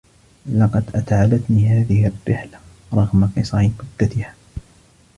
لقد أتعبتني هذه الرحلة رغم قصر مدتها